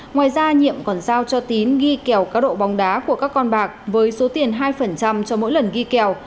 ngoài ra nhiệm còn giao cho tín ghi kèo cá độ bóng đá của các con bạc với số tiền hai cho mỗi lần ghi kèo